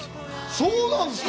そうなんですか！？